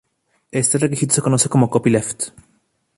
Este requisito se conoce como "copyleft".